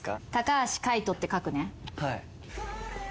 「橋海人」って書くね。